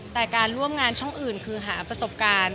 แต่การร่วมงานช่องอื่นคือหาประสบการณ์